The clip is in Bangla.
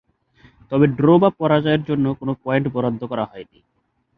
তবে ড্র বা পরাজয়ের জন্য কোন পয়েন্ট বরাদ্দ করা হয়নি।